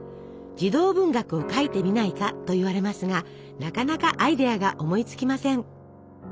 「児童文学を書いてみないか」と言われますがなかなかアイデアが思いつきません。